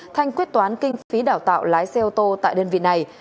thanh quyết toán kinh phí đào tạo lái xe ô tô tại đơn vị này